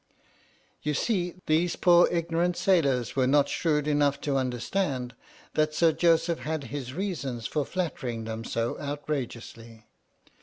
You see, these poor ignorant sailors were not shrewd enough to understand that Sir Joseph had his reasons for flattering them so outrageously.